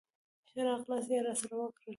ښه راغلاست یې راسره وکړل.